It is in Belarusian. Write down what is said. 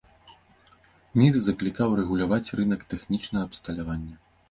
Мір заклікаў рэгуляваць рынак тэхнічнага абсталявання.